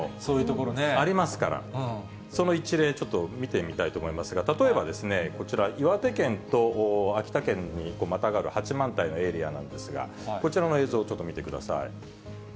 ありますから、その一例ちょっと見てみたいと思いますが、例えばこちら、岩手県と秋田県にまたがる八幡平のエリアなんですが、こちらの映像をちょっと見てください。